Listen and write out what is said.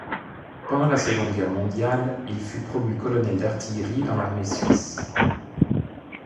Pendant la Seconde Guerre mondiale, il fut promu colonel d'artillerie dans l'armée suisse.